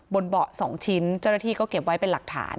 เบาะ๒ชิ้นเจ้าหน้าที่ก็เก็บไว้เป็นหลักฐาน